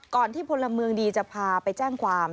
ที่พลเมืองดีจะพาไปแจ้งความ